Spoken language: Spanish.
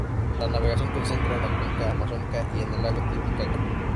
La navegación concentra en la cuenca amazónica y en el lago Titicaca.